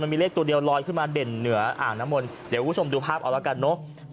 มีเลขตัวเดียวลอยขึ้นมาเด่นเหนืออ่างน้ำมนต์เดี๋ยวคุณผู้ชมดูภาพเอาแล้วกันเนอะ